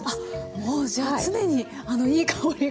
もうじゃあ常にいい香りが。